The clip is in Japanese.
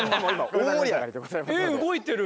え動いてる！